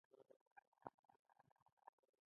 نورستانیان یو اریایي توکم دی.